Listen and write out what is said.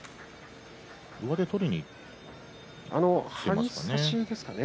上手を取りにいっていますかね。